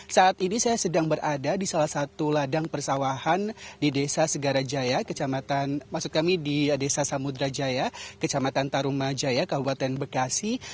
saat ini saya sedang berada di salah satu ladang persawahan di desa samudera jaya kecamatan tarumajaya kabupaten bekasi